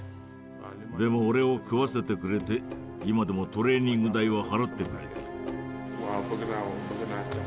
でも俺を食わせてくれて今でもトレーニング代は払ってくれている。